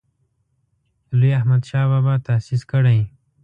لوی احمدشاه بابا تاسیس کړی.